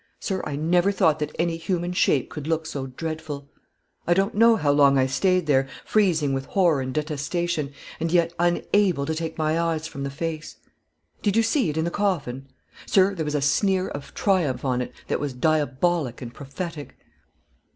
Sir, I never thought that any human shape could look so dreadful. I don't know how long I stayed there, freezing with horror and detestation, and yet unable to take my eyes from the face. Did you see it in the coffin? Sir, there was a sneer of triumph on it that was diabolic and prophetic."